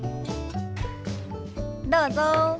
どうぞ。